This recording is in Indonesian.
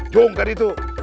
jom ke situ